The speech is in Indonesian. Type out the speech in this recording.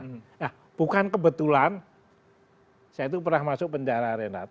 nah bukan kebetulan saya itu pernah masuk penjara renat